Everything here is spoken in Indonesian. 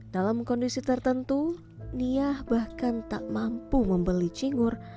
dalam kondisi tertentu niah bahkan tak mampu membeli cingur